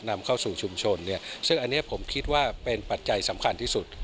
นำเข้าสู่ชุมชนเนี่ยซึ่งอันนี้ผมคิดว่าเป็นปัจจัยสำคัญที่สุด